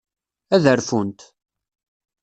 Ad rfunt.